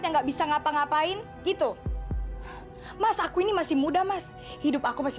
yang nggak bisa ngapa ngapain gitu mas aku ini masih muda mas hidup aku masih